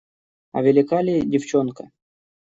А велика ли девчонка?